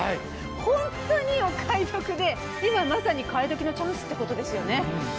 ホントにお買い得で今まさに替え時のチャンスってことですよね。